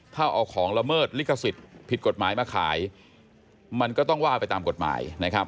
ถ้าเอาของละเมิดลิขสิทธิ์ผิดกฎหมายมาขายมันก็ต้องว่าไปตามกฎหมายนะครับ